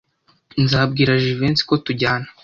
Nzabwira Jivency ko tujyana.